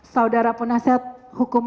saudara penasihat hukum